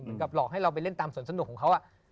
เหมือนกับหลอกให้เราไปเล่นตามส่วนสนุกของเขา